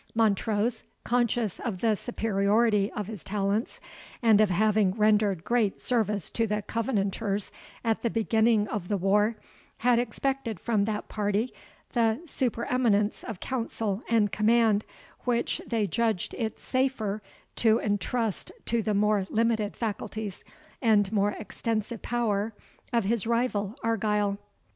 Montrose, conscious of the superiority of his talents, and of having rendered great service to the Covenanters at the beginning of the war, had expected from that party the supereminence of council and command, which they judged it safer to intrust to the more limited faculties, and more extensive power, of his rival Argyle.